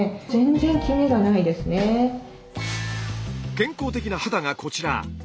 健康的な肌がこちら。